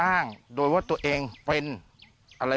เอาเป็นว่าอ้าวแล้วท่านรู้จักแม่ชีที่ห่มผ้าสีแดงไหม